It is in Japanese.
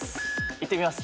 いってみます。